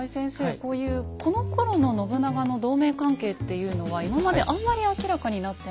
こういうこのころの信長の同盟関係っていうのは今まであんまり明らかになってないんでしょうか。